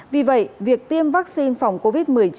vì vậy việc tiêm vaccine phòng covid một mươi chín